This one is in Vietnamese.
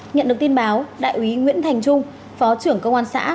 nhận được tin báo đại úy nguyễn thành trung phó trưởng công an xã